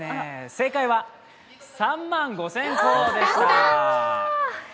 正解は３万５０００個でした。